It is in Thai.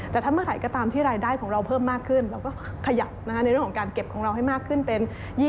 แต่ถ้าเมื่อไหร่ก็ตามที่รายได้ของเราเพิ่มมากขึ้นเราก็ขยับในเรื่องของการเก็บของเราให้มากขึ้นเป็น๒๐